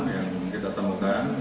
yang kita temukan